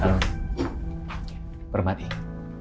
saya di tempat dialan